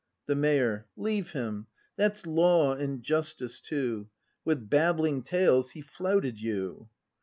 The Mayor. Leave him; that's law and justice too; With babbling tales he flouted you.